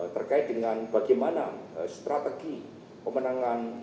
terkait dengan bagaimana strategi pemenangan